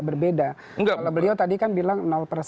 berbeda kalau beliau tadi kan bilang